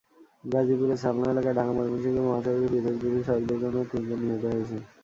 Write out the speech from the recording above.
গাজীপুরের সালনা এলাকায় ঢাকা-ময়মনসিংহ মহাসড়কে পৃথক দুটি সড়ক দুর্ঘটনায় তিনজন নিহত হয়েছেন।